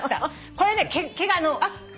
これね毛が。